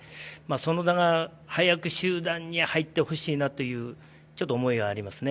其田が早く集団に入ってほしいなという思いがあります。